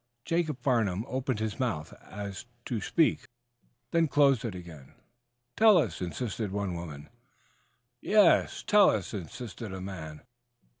Jacob Farnum opened his mouth, as though to speak, then closed it again. "Tell us," insisted one woman. "Yes, tell us," insisted a man.